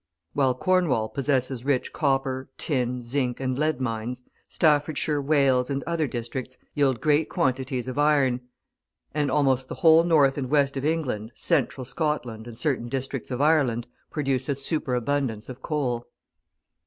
While Cornwall possesses rich copper, tin, zinc, and lead mines, Staffordshire, Wales, and other districts yield great quantities of iron, and almost the whole North and West of England, central Scotland, and certain districts of Ireland, produce a superabundance of coal.